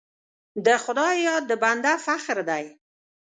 د خدای یاد د بنده فخر دی.